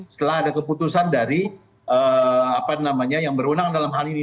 setelah ada keputusan dari yang berwenang dalam hal ini